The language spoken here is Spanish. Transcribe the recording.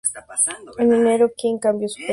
En enero, Kidd cambió a "face".